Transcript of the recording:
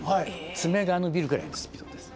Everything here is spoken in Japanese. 爪が伸びるぐらいのスピードです。